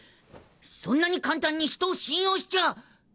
そんなに簡単に人を信用しちゃ。